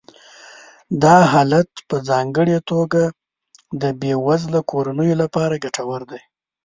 دا حالت په ځانګړې توګه د بې وزله کورنیو لپاره ګټور دی